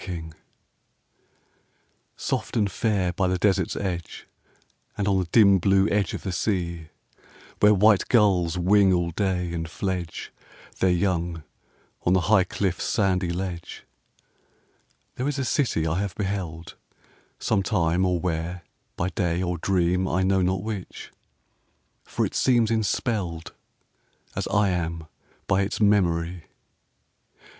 THE CITY Soft and fair by the Desert's edge, And on the dim blue edge of the sea, Where white gulls wing all day and fledge Their young on the high cliff's sandy ledge, There is a city I have beheld, Sometime or where, by day or dream, I know not which, for it seems enspelled As I am by its memory.